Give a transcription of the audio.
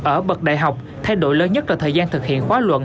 ở bậc đại học thay đổi lớn nhất là thời gian thực hiện khóa luận